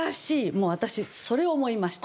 もう私それを思いました。